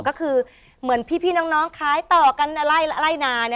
ก็คือเหมือนพี่น้องคล้ายต่อกันไล่นา